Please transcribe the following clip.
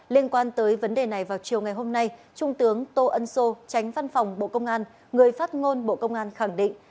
liên quan tới vấn đề này vào chiều ngày hôm nay trung tướng tô ân sô tránh văn phòng bộ công an người phát ngôn bộ công an khẳng định